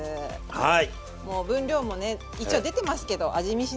はい。